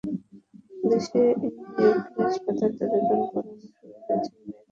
দেশে নিউক্লিয়ার পদার্থবিজ্ঞান পড়ানো শুরু হয়েছে মেঘনাদ সাহার হাতে।